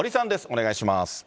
お願いします。